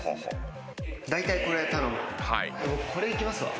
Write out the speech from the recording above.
僕これいきますわ。